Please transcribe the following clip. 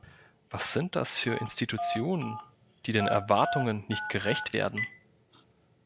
Was sind das für Institutionen, die den Erwartungen nicht gerecht werden?